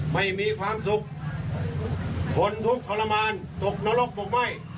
ไม่มีความสุขทนทุกข์ทรมานตกนรกหรือไม่